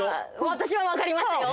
私はわかりましたよ